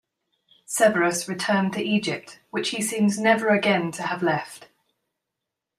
Severus returned to Egypt, which he seems never again to have left.